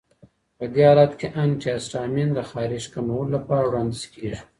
په دې حالت کې انټي هسټامین د خارښ کمولو لپاره وړاندیز کېږي.